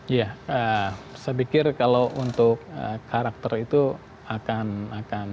iya saya pikir kalau untuk karakter itu akan sama kali ya